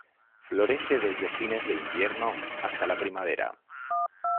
Florece desde fines de invierno hasta la primavera.